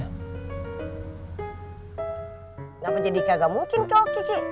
kenapa jadi kagak mungkin kok kiki